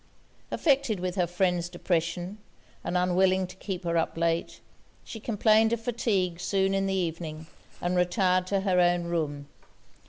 Affected with her friend's depression, and unwilling to keep her up late, she complained of fatigue soon in the evening, and retired to her own room.